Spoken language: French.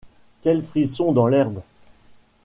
Quel frisson dans l’herbe !